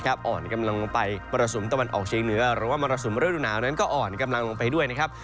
นักบริษฐกรรมด้วยก็อ่อนกำลังลงไปประสุนตะวันออกเชียงเหนือหรือว่ามรสุมโดบนาวนั้นก็อ่อนกำลังลงไปด้วยนะครับ